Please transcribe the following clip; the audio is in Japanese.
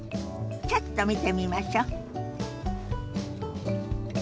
ちょっと見てみましょ。